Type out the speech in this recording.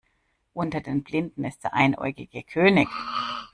Unter den Blinden ist der Einäugige König.